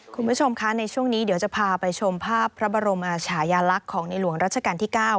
คุณผู้ชมคะในช่วงนี้เดี๋ยวจะพาไปชมภาพพระบรมชายาลักษณ์ของในหลวงรัชกาลที่๙